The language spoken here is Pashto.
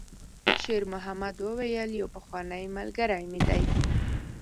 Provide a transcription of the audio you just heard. شېرمحمد وویل: «یو پخوانی ملګری مې دی.»